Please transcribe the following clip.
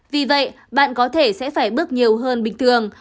vì vậy bạn có thể sẽ phải bước nhiều hơn bình thường